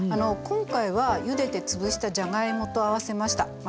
今回はゆでてつぶしたじゃがいもと合わせました。